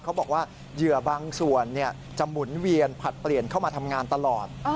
เขาบอกว่าเหยื่อบางส่วนจะหมุนเวียนผลัดเปลี่ยนเข้ามาทำงานตลอด